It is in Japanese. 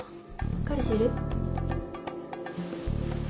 彼氏いる？